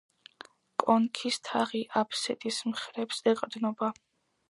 კონქის თაღი აბსიდის მხრებს ეყრდნობა.